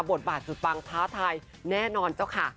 บทบาทสุดปังท้าทายแน่นอนเจ้าค่ะ